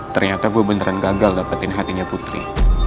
ternyata gue beneran gagal dapetin hatinya putri